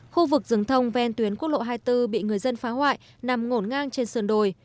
khu vực rừng thông ven tuyến quốc lộ hai mươi bốn bị người dân phá hoại nằm ngổn ngang trên sườn đồi